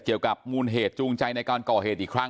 เกี่ยวกับมูลเหตุจูงใจในการทำงานนะครับ